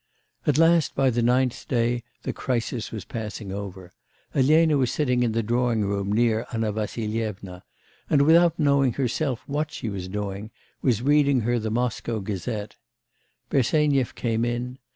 At last by the ninth day the crisis was passing over. Elena was sitting in the drawing room near Anna Vassilyevna, and, without knowing herself what she was doing, was reading her the Moscow Gazette; Bersenyev came in.